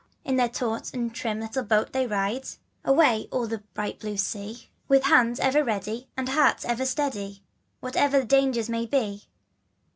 In their taut and trim little boat they ride ^ Away o'er the bright blue sea, With hands ever ready, And hearts ever steady, Whatever the dangers may be.